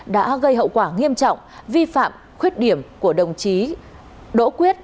hai nghìn hai mươi hai nghìn hai mươi hai nghìn hai mươi năm đã gây hậu quả nghiêm trọng vi phạm khuyết điểm của đồng chí đỗ quyết